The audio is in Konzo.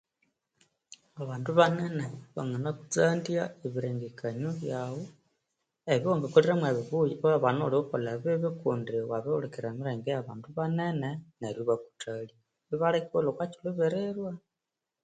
Bandu banene banganatsandya ebirengekanyo byawu ebyowangakolireku ebibuya iwabana wukakolha ebibi kundi wabihulikirira emilenge ebya bandu banene neryo ibakuthalya iwbirirwa